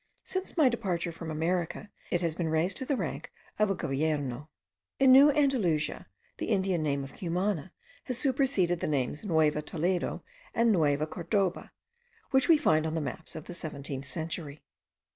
Since my departure from America, it has been raised to the rank of a Govierno. In New Andalusia, the Indian name of Cumana has superseded the names Nueva Toledo and Nueva Cordoba, which we find on the maps of the seventeenth century.)